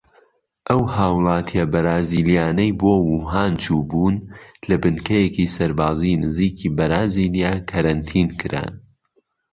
ئەو هاوڵاتیە بەرازیلیانەی بۆ ووهان چوو بوون لە بنکەیەکی سەربازی نزیکی بەرازیلیا کەرەنتین کران.